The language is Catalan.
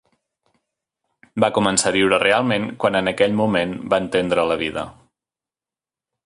Va començar a viure realment quan en aquell moment va entendre la vida.